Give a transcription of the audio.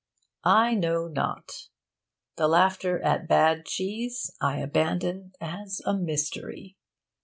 I know not. The laughter at bad cheese I abandon as a mystery.